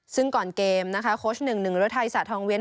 ซึ่งก่อนเกมนะคะโค้ชหนึ่งหนึ่งฤทัยสะทองเว้น